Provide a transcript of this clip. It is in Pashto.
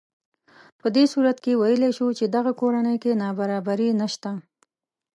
په دې صورت کې ویلی شو چې دغه کورنۍ کې نابرابري نهشته